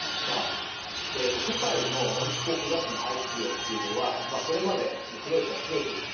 世界の温室効果ガスの排出量というのはこれまでこの黒い線増えてきて